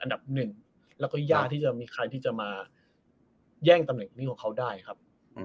อันดับหนึ่งแล้วก็ยากที่จะมีใครที่จะมาแย่งตำแหน่งนี้ของเขาได้ครับ